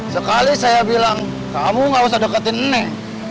sekali saya bilang kamu gak usah deketin ini